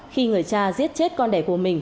khi người cha giết chết con đẻ của mình